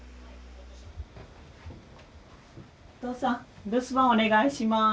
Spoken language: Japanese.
お父さん留守番お願いします。